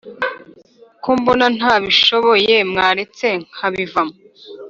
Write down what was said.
Kombona ntabishoboye mwaretse nkabivamo